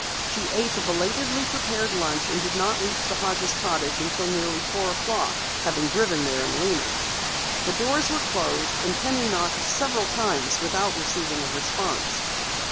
She ate a belatedly prepared lunch and did not reach the Hodges' cottage until nearly four o'clock, having driven there in Lena. The doors were closed and Penny knocked several times without receiving a response.